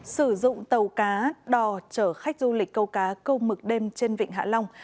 sử dụng tàu cá đò chở khách du lịch câu cá câu mực đêm trên vịnh hạ long